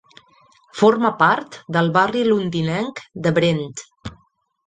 Forma part del barri londinenc de Brent.